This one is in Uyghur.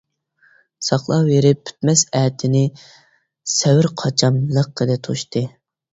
ساقلاۋېرىپ پۈتمەس ئەتىنى، سەۋرى قاچام لىققىدە توشتى.